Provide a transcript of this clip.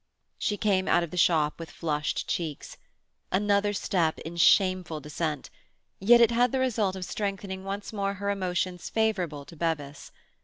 She came out of the shop with flushed cheeks. Another step in shameful descent—yet it had the result of strengthening once more her emotions favourable to Bevis.